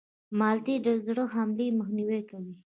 مالټې د زړه د حملې مخنیوی کوي.